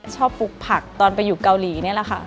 ปลูกผักตอนไปอยู่เกาหลีนี่แหละค่ะ